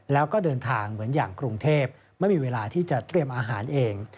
แล้วก็เดินทางเหมือนอย่างกรุงเทพไม่มีเวลาที่จะเตรียมอาหารเอง